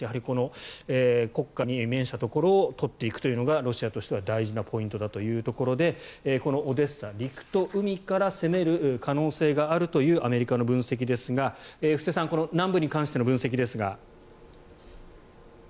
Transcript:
この黒海に面したところを取っていくというのがロシアとしては大事なポイントだというところでこのオデッサ、陸と海から攻める可能性があるというアメリカの分析ですが布施さん南部に関しての分析ですが。